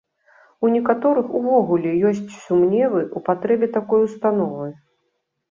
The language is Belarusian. У некаторых увогуле ёсць сумневы ў патрэбе такой установы.